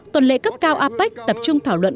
tuần lễ cấp cao apec tập trung thảo luận